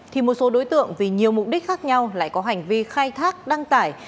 thì một số đối tượng vì nhiều mục đích khác nhau lại có hành vi khai thác đăng tải